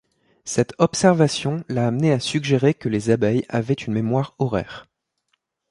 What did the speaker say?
Cette observation l’a amené à suggérer que les abeilles avaient une mémoire horaire.